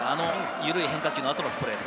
緩い変化球の後のストレート。